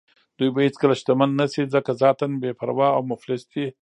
دوی به هېڅکله شتمن نه شي ځکه ذاتاً بې پروا او مفلس دي.